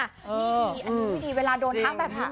นี่พี่ดีเวลาโดนทักแบบฮะ